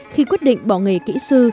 khi quyết định bỏ nghề kỹ sư